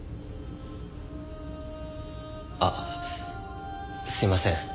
あっすいません。